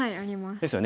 ですよね。